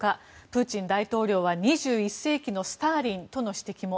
プーチン大統領は２１世紀のスターリンとの指摘も。